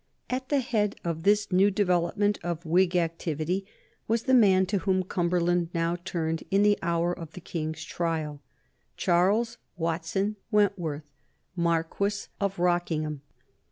At the head of this new development of Whig activity was the man to whom Cumberland now turned in the hour of the King's trial, Charles Watson Wentworth, Marquis of Rockingham.